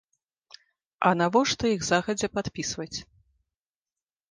А навошта іх загадзя падпісваць?